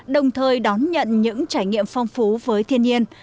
đồng thời đón nhận những trải nghiệm phong phú với thiên nhiên